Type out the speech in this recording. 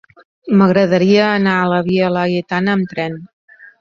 M'agradaria anar a la via Laietana amb tren.